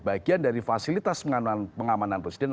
bagian dari fasilitas pengamanan presiden